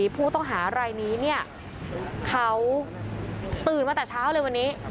ผู้ต้องหารายนี้เนี่ยเขาตื่นมาแต่เช้าเลยวันนี้